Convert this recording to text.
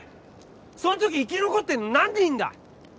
その時生き残ってんの何人いんだ？